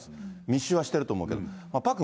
密集はしてると思うけど。